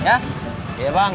makasih ya sama sama bang